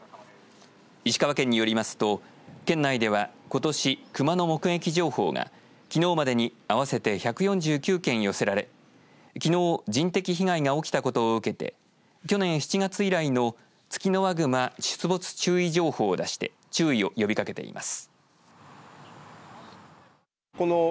石川県によりますと県内では、ことしクマの目撃情報がきのうまでに合わせて１４９件寄せられきのう人的被害が起きたことを受けて去年７月以来のツキノワグマ出没注意情報を出して注意を呼びかけています。